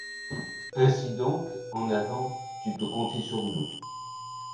Ainsi donc, en avant, tu peux compter sur nous.